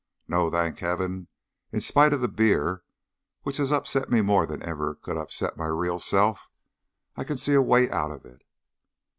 No, thank Heaven, in spite of the beer which has upset me more than ever it could upset my real self, I can see a way out of it."